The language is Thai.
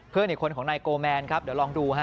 เพื่อนคนของไหนโกมันครับเดี๋ยวลองดู